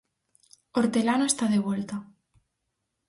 Hortelano está de volta.